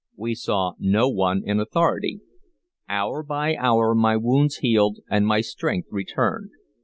We saw no one in authority. Hour by hour my wounds healed and my strength returned.